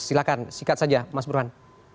silahkan sikat saja mas burhan